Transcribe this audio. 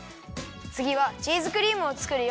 つぎはチーズクリームをつくるよ。